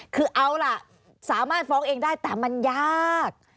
คือเอาล่ะสามารถฟ้องเองได้แต่มันยาก